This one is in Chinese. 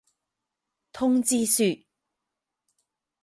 通知书。